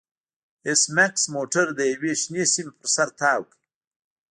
ایس میکس موټر د یوې شنې سیمې پر سر تاو کړ